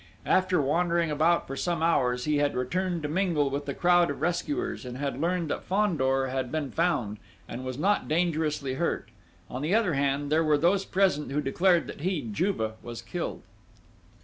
After wandering about for some hours, he had returned to mingle with the crowd of rescuers, and had learned that Fandor had been found, and was not dangerously hurt: on the other hand, there were those present who declared that he, Juve, was killed!